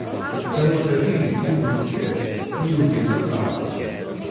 D tamurt-aki I deg i d nekker, i yugin leqrar.